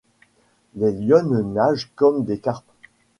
Les lionnes nagent comme des carpes.